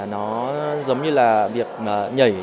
nó giống như là việc nhảy